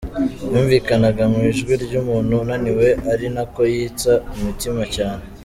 Yumvikanaga mu ijwi ry’umuntu unaniwe ari nako yitsa imitima cyane.